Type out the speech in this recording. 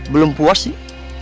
belum puas sih